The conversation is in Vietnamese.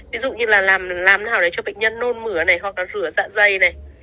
ví dụ như là làm nào để cho bệnh nhân nôn mửa hoặc là rửa dạ dây